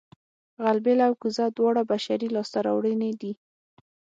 غلبېل او کوزه دواړه بشري لاسته راوړنې دي